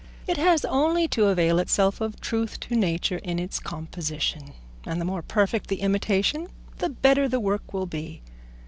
It has only to avail itself of truth to nature in its composition, and the more perfect the imitation the better the work will be.